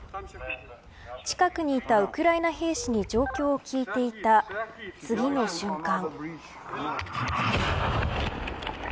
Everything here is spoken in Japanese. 近くにいたウクライナ兵氏に状況を聞いていた次の瞬間。